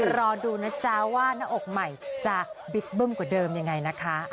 รอดูนะจ๊ะว่าหน้าอกใหม่จะบิ๊กเบิ้มกว่าเดิมยังไงนะคะ